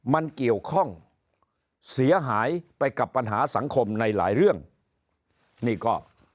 มันเกี่ยวข้องเสียหายไปกับปัญหาสังคมในหลายเรื่องนี่ก็